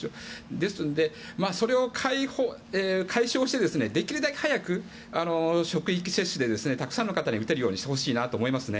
ですので、それを解消してできるだけ早く職域接種でたくさんの方に打てるようにしてほしいなと思いますね。